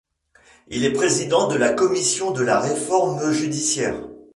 Il est président de la commission de la Réforme judiciaire.